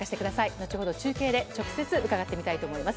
後ほど中継で直接伺ってみたいと思います。